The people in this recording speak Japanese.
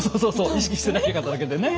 意識してなかっただけでね。